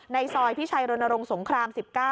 ซอยพิชัยรณรงค์สงคราม๑๙